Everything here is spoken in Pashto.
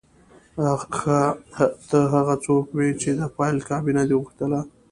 ښه ته هغه څوک وې چې د فایل کابینه دې غوښتله